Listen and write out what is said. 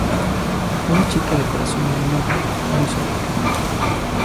Una chica de corazón muy noble, muy solidaria.